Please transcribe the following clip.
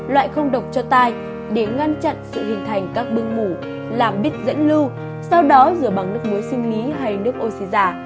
loại không độc cho tai để ngăn chặn sự hình thành các bưng mù làm bít dẫn lưu sau đó rửa bằng nước muối sinh lý hay nước oxy giả